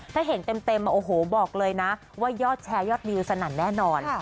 ถ้าเห็นเต็มโอ้โหบอกเลยนะว่ายอดแชร์ยอดวิวสนั่นแน่นอน